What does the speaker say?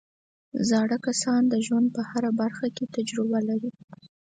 زاړه کسان د ژوند په هره برخه کې تجربه لري